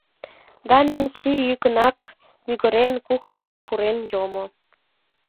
Да Ненси, йӱкынак мӱгырен, кухньышко пурен йомо.